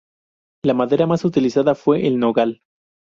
La madera más utilizada fue el nogal.